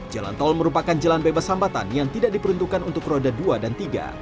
jalan tol merupakan jalan bebas hambatan yang tidak diperuntukkan untuk roda dua dan tiga